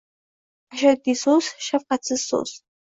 Ashaddiy Soʻz, shafqatsiz Soʻz.